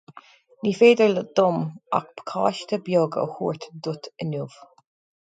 Ní féidir dom ach pacáiste beag a thabhairt duit inniu.